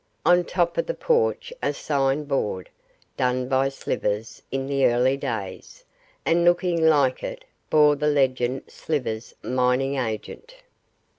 On top of the porch a sign board done by Slivers in the early days, and looking like it bore the legend 'Slivers, mining agent.